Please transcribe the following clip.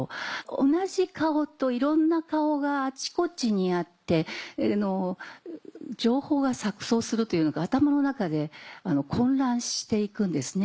同じ顔といろんな顔があちこちにあって情報が錯綜するというのか頭の中で混乱して行くんですね。